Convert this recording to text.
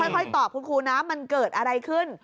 ค่อยตอบคุณครูนะมันเกิดอะไรขึ้น